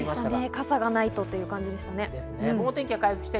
傘がないとという感じでした。